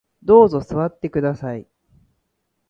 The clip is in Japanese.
どうぞ座ってください